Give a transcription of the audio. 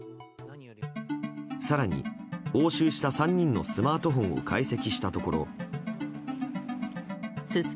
更に、押収した３人のスマートフォンを解析したところ。